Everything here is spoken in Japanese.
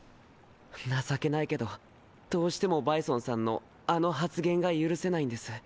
情けないけどどうしてもバイソンさんのあの発言が許せないんです。